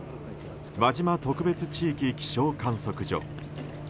輪島特別地域気象観測所。